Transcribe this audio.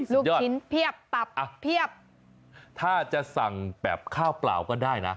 ลูกชิ้นเพียบตับอ่ะเพียบถ้าจะสั่งแบบข้าวเปล่าก็ได้นะ